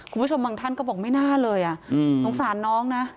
คุณผู้ชมบางท่านก็บอกไม่น่าเลยสงสารน้องนะ